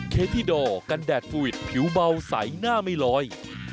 เคธิดอร์กันแดดฟูวิดผิวเบาใสหน้าไม่ลอย